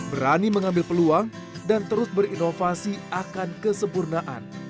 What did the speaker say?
berani mengambil peluang dan terus berinovasi akan kesempurnaan